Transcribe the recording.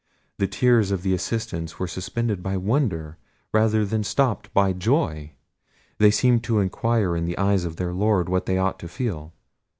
The tears of the assistants were suspended by wonder, rather than stopped by joy. They seemed to inquire in the eyes of their Lord what they ought to feel.